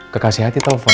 kekasih hati tau